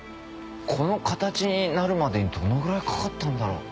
この形になるまでにどのぐらいかかったんだろう？